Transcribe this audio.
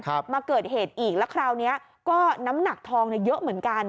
มาเกิดเหตุอีกแล้วคราวเนี้ยก็น้ำหนักทองเนี้ยเยอะเหมือนกัน